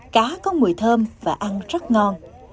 cá có mùi thơm và ăn rất ngon